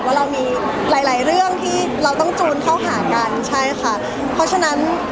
ว่าเรามีหลายเรื่องที่เราต้องจูลเข้าหากัน